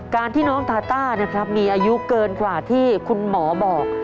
การที่น้องทาต้านะครับมีอายุเกินกว่าที่คุณหมอบอก